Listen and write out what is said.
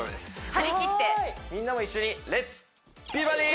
張り切ってみんなも一緒にイエーイ！